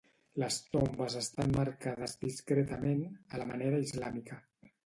Les tombes estan marcades discretament, a la manera islàmica.